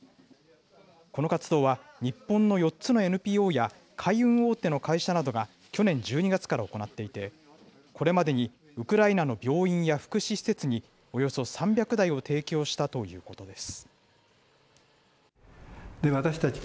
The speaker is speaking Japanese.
この活動は、日本の４つのＮＰＯや海運大手の会社などが去年１２月から行っていて、これまでにウクライナの病院や福祉施設におよそ３００台を提供したということです。